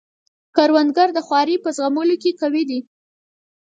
کروندګر د خوارۍ په زغملو کې قوي دی